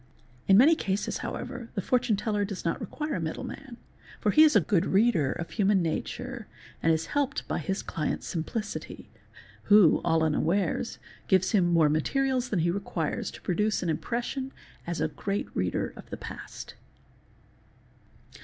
In many cases however the fortune teller does not require a middleman, for he is a good reader of human nature and — is helped by his client's simplicity, who, all unawares, gives him more — materials than he requires to produce an impression as a great reader of — the past.